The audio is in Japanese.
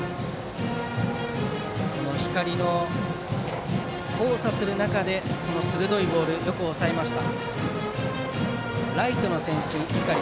この光の交差する中でその鋭いボールをよく押さえました。